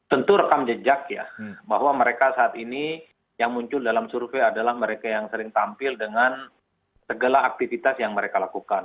tentu rekam jejak ya bahwa mereka saat ini yang muncul dalam survei adalah mereka yang sering tampil dengan segala aktivitas yang mereka lakukan